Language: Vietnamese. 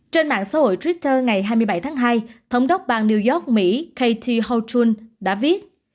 trên mạng xã hội twitter ngày hai mươi bảy tháng hai thống đốc bang new york mỹ kt houth đã viết